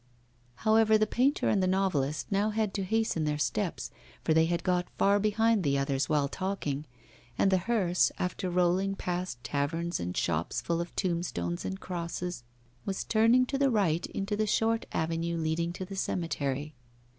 However, the painter and the novelist now had to hasten their steps, for they had got far behind the others while talking; and the hearse, after rolling past taverns and shops full of tombstones and crosses, was turning to the right into the short avenue leading to the cemetery.